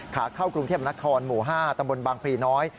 ขาเข้ากรุงเทพนครหมู่๕ตำบลบางพลีน้อย